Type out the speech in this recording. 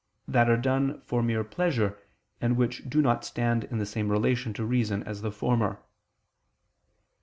that are done for mere pleasure, and which do not stand in the same relation to reason as the former.